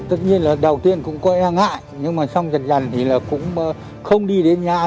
tất nhiên là đầu tiên cũng có e ngại nhưng mà xong dần dần thì là cũng không đi đến nha